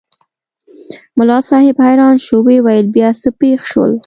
ملا صاحب حیران شو وویل بیا څه پېښ شول؟